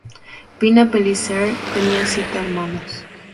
Pina Pellicer tenía siete hermanos.